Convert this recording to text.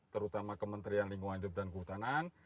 terutama kementerian lingkungan hidup dan kehutanan